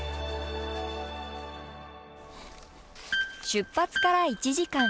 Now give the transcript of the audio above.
出発から１時間。